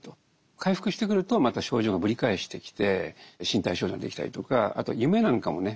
回復してくるとまた症状がぶり返してきて身体症状が出てきたりとかあとは夢なんかもね見始めると。